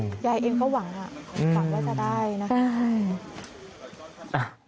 ยายเองเขาหวังว่าจะได้นะ